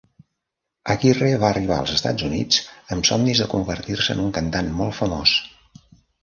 Aguirre va arribar als Estats Units amb somnis de convertir-se en un cantant molt famós.